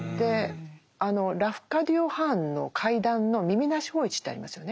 ラフカディオ・ハーンの「怪談」の「耳なし芳一」ってありますよね。